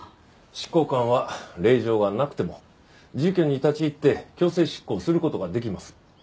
執行官は令状がなくても住居に立ち入って強制執行をする事ができます。